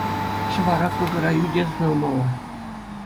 Ҫӑвара, кӑкӑра, ӳте сӑнамалла.